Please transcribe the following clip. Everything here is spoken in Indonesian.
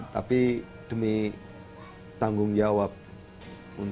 tapi demi tanggung jawab untuk pembangunan ipal ini